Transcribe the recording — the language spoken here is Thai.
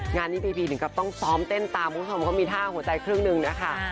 งานนี้พี่ถึงก็ต้องซ้อมเต้นตามเพราะว่ามันก็มีท่าหัวใจเครื่องหนึ่งนะคะ